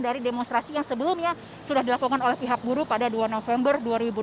dari demonstrasi yang sebelumnya sudah dilakukan oleh pihak buruh pada dua november dua ribu delapan belas